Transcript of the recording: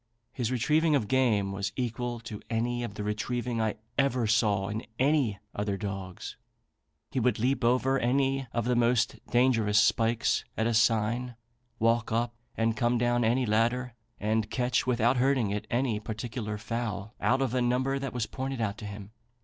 His retrieving of game was equal to any of the retrieving I ever saw in any other dogs. He would leap over any of the most dangerous spikes at a sign, walk up and come down any ladder, and catch, without hurting it, any particular fowl out of a number that was pointed out to him.